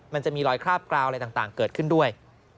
มันจะมีรอยคราบกราวอะไรต่างเกิดขึ้นด้วย